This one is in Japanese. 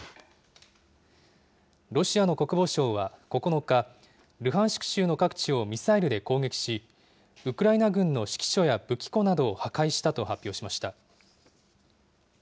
ロシアの国防省は９日、ルハンシク州の各地をミサイルで攻撃し、ウクライナ軍の指揮所や武器庫などを破壊したと発表しました。